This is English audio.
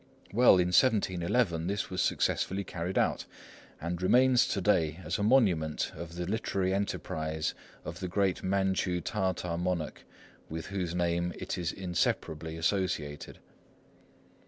Well, in 1711 this was successfully carried out, and remains to day as a monument of the literary enterprise of the great Manchu Tartar monarch with whose name it is inseparably associated.